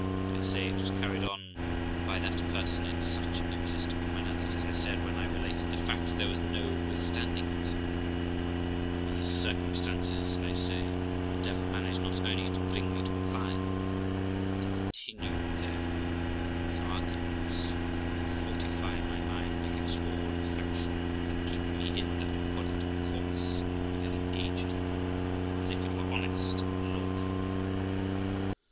But, I say, it was carried on by that person in such an irresistible manner, that, as I said when I related the fact, there was no withstanding it; these circumstances, I say, the devil managed not only to bring me to comply, but he continued them as arguments to fortify my mind against all reflection, and to keep me in that horrid course I had engaged in, as if it were honest and lawful.